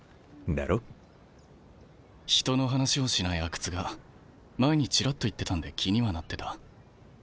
人の話をしない阿久津が前にチラッと言ってたんで気にはなってた。